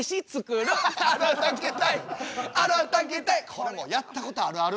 これもやったことあるある。